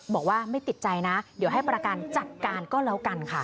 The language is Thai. บอกว่าไม่ติดใจนะเดี๋ยวให้ประกันจัดการก็แล้วกันค่ะ